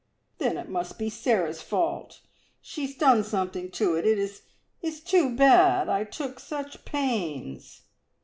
"Then it must be Sarah's fault. She has done something to it. It is too bad I took such pains!"